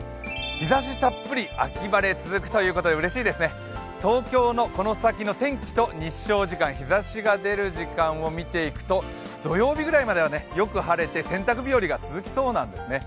日ざしたっぷり秋晴れ続くということでうれしいですね、東京のこの先の天気と日照時間、日ざしが出る時間を見ていくと、土曜日ぐらいまではよく晴れて洗濯日和が続きそうなんですね。